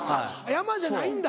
「山」じゃないんだ。